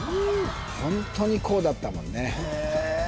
ホントにこうだったもんねへ